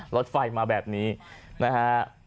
รถไฟมาแบบนี้นะฮะ